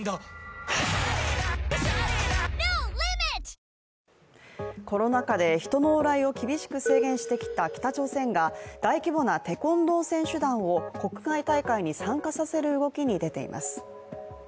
三井アウトレットパーク三井不動産グループコロナ禍で人の往来を厳しく制限してきた北朝鮮が大規模なテコンドー選手団を国際大会に参加させる動きに出ています。